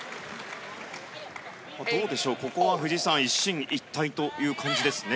どうでしょう、ここは藤井さん一進一退という感じですね。